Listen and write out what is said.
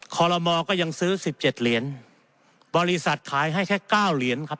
คอลโลมอก็ยังซื้อสิบเจ็ดเหรียญบริษัทขายให้แค่เก้าเหรียญครับ